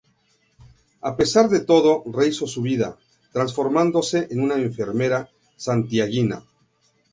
A pesar de todo, rehízo su vida, transformándose en una enfermera santiaguina.